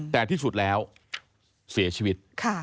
แต่ที่สุดแล้วเสียชีวิต